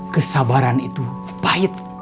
kesabaran itu pahit